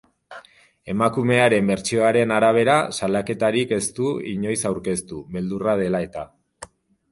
Emakumearen bertsioaren arabera, salaketarik ez du inoiz aurkeztu, beldurra dela eta.